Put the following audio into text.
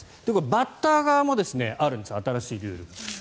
バッター側もあるんです新しいルール。